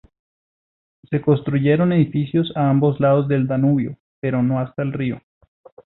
Se construyeron edificios a ambos lados del Danubio, pero no hasta el río.